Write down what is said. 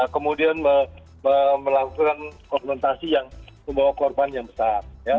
kemudian melakukan kogmentasi yang membawa korban yang besar